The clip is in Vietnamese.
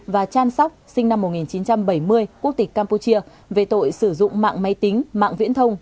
và chan sóc sinh năm một nghìn chín trăm bảy mươi quốc tịch campuchia về tội sử dụng mạng máy tính mạng viễn thông